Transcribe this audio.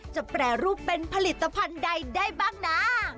แปรรูปเป็นผลิตภัณฑ์ใดได้บ้างนะ